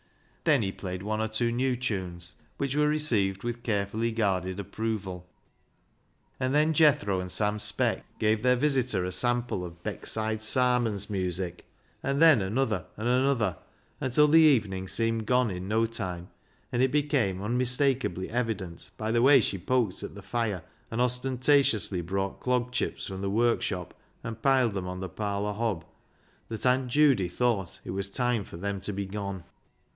Then he played one or two new tunes, which were received with carefully guarded approval. And then Jethro and Sam Speck gave their visitor a sample of Beckside " Sarmons " music, and then another and another, until the evening seemed gone in no time, and it became un mistakably evident, by the way she poked at the fire, and ostentatiously brought clog chips from the workshop and piled them on the parlour hob, that Aunt Judy thought it was time for them to be gone.